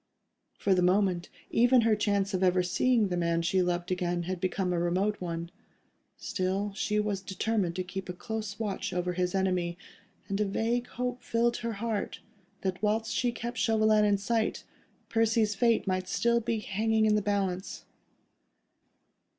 For the moment, even her chance of ever seeing the man she loved again, had become a remote one. Still, she was determined to keep a close watch over his enemy, and a vague hope filled her heart, that whilst she kept Chauvelin in sight, Percy's fate might still be hanging in the balance.